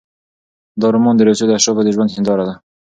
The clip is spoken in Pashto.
دا رومان د روسیې د اشرافو د ژوند هینداره ده.